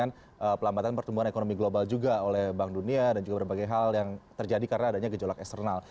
kalau melihat rupiah kita yang sebetulnya dikaitkan dengan kejolak ekonomi global juga oleh bank dunia dan juga berbagai hal yang terjadi karena adanya gejolak eksternal